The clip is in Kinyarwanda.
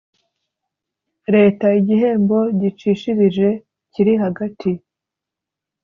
Leta igihembo gicishirije kiri hagati